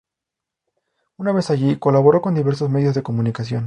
Una vez allí, colaboró con diversos medios de comunicación.